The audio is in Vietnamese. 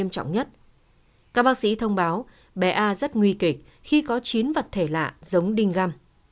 các bác sĩ thông báo bé a rất nguy kịch khi có chín vật thể lạ giống đinh găm